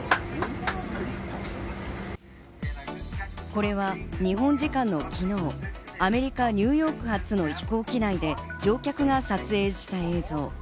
これは日本時間の昨日、アメリカ・ニューヨーク発の飛行機内で乗客が撮影した映像。